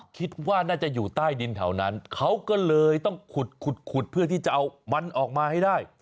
คิดว่าน่าจะอยู่ใต้ดินแถวนั้นเขาก็เลยต้องขุดขุดเพื่อที่จะเอามันออกมาให้ได้